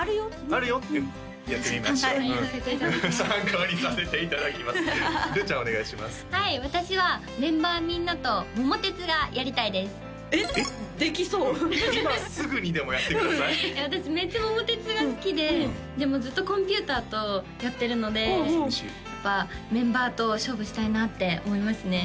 私めっちゃ桃鉄が好きででもずっとコンピューターとやってるのでやっぱメンバーと勝負したいなって思いますね